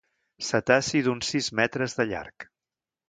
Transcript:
Cetaci d'uns sis metres de llarg.